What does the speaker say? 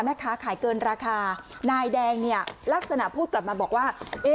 แม่ค้าขายเกินราคานายแดงเนี่ยลักษณะพูดกลับมาบอกว่า